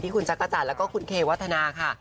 คุณจักรจันทร์แล้วก็คุณเควัฒนาค่ะ